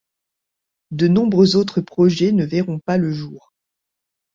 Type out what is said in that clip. De nombreux autres projets ne verront pas le jour.